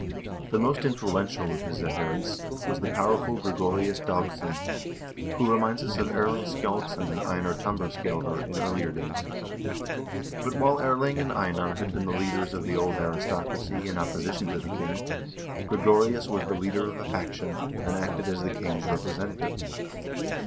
The most influential of his adherents was the powerful Gregorius Dagss0n, who reminds us of Erling Skjalgsson and Einar Tam barskjselver in earlier days. But while Erling and Einar had been the leaders of the old aristocracy in opposition to the king, Gregorius was the leader of a faction, and acted as the king's representative.